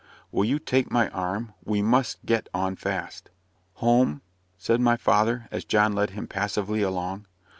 "Will you take my arm? we must get on fast." "Home?" said my father, as John led him passively along.